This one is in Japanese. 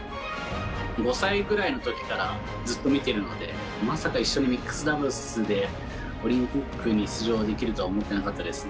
５歳ぐらいのときからずっと見てるので、まさか一緒にミックスダブルスで、オリンピックに出場できるとは思ってなかったです。